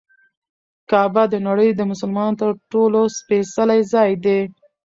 کعبه د نړۍ د مسلمانانو تر ټولو سپېڅلی ځای دی.